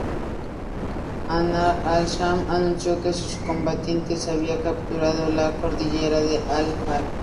Ahrar al-Sham anunció que sus combatientes habían capturado la cordillera de al-Afai.